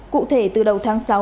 cụ thể từ đầu tháng sáu